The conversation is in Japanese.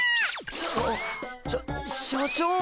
あっしゃ社長！